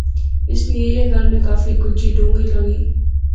اس نی ایہہ گل میں کافی گجی ڈونغی لغی